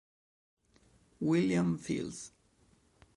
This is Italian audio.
William Fields